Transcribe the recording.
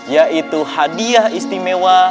yaitu hadiah istimewa